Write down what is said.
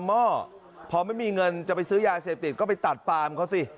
หม้อพอไม่มีเงินจะไปซื้อยาเสพติดก็ไปตัดปามเขาสิ